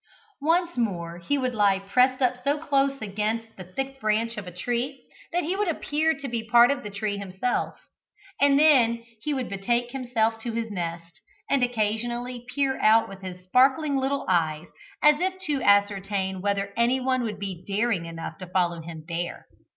Once more he would lie pressed up so close against the thick branch of a tree, that he would appear to be a part of the tree himself; and then he would betake himself to his nest, and occasionally peer out with his sparkling little eyes, as if to ascertain whether anyone would be daring enough to follow him there.